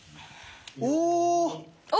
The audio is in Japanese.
お！